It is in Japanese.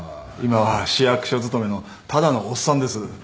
今は市役所勤めのただのおっさんです。